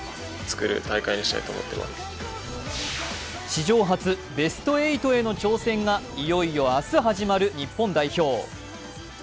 史上初、ベスト８への挑戦がいよいよ明日始まる日本代表。